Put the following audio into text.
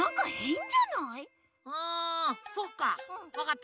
あそっか。